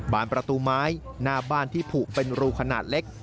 ประตูไม้หน้าบ้านที่ผูกเป็นรูขนาดเล็ก